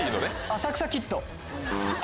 『浅草キッド』。